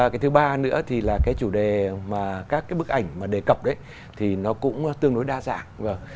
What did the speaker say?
cái thứ ba nữa thì là cái chủ đề mà các cái bức ảnh mà đề cập đấy thì nó cũng tương đối đa dạng